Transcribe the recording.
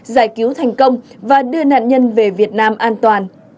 giải cứu thành công và đưa nạn nhân về việt nam an toàn